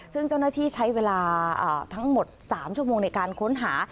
ซึ่งเจ้าหน้าที่ใช้เวลาทั้งหมด๓ชั่วโมงในการค้นหา